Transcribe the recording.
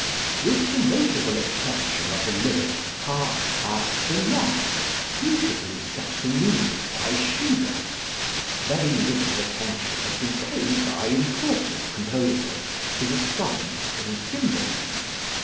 With the notable exception of the lyric, "Hark, hark, the lark," beautifully set to music by +Schubert+, very little attention has been paid by important composers to the songs in Cymbeline.